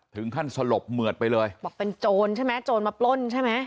สลบเหมือดไปเลยบอกเป็นโจรใช่ไหมโจรมาปล้นใช่ไหม